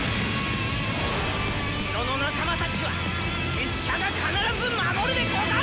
城の仲魔たちは拙者が必ず守るでござる！